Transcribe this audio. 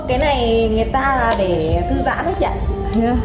cái này người ta để thư giãn hết vậy ạ